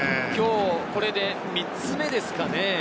今日これで３つ目ですかね。